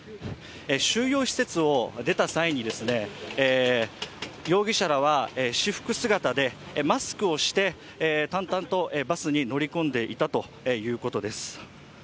収容施設を出た際に容疑者らは、私服姿でマスクをして、淡々とバスに乗り込んでいたということです。